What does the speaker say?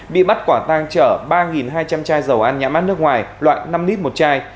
bị bắt quả tăng chở ba hai trăm linh chai dầu ăn nhãn mát nước ngoài loại năm nít một chai